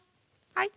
はい。